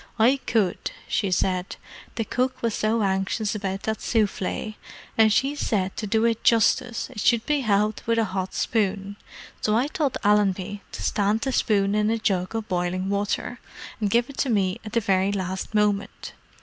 "I could," she said. "The cook was so anxious about that souffle, and she said to do it justice it should be helped with a hot spoon. So I told Allenby to stand the spoon in a jug of boiling water, and give it to me at the very last moment.